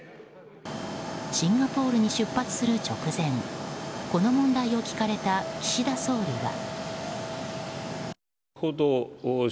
シンガポールに出発する直前この問題を聞かれた岸田総理は。